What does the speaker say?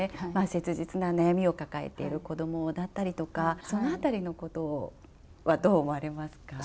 切実な悩みを抱えている子どもだったりとか、そのあたりのことはどう思われますか。